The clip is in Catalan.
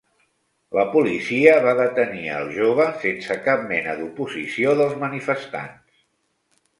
La policia va detenir al jove sense cap mena d'oposició dels manifestants